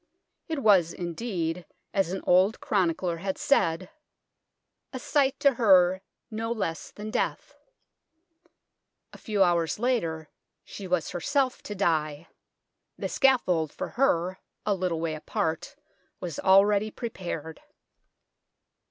It was, indeed, as an old chronicler has said, 128 THE TOWER OF LONDON " a sight to hir no less than deathe." A few hours later she was herself to die ; the scaffold for her, a little way apart, was already prepared.